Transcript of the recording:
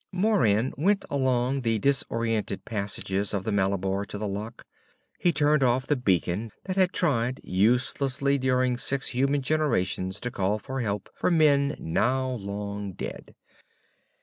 _" Moran went along the disoriented passages of the Malabar to the lock. He turned off the beacon that had tried uselessly during six human generations to call for help for men now long dead.